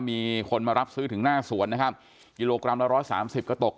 มีคนมารับซื้อถึงหน้าสวนนะครับกิโลกรัมละร้อยสามสิบก็ตก